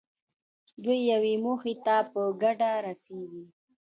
دوی یوې موخې ته په ګډه رسېږي.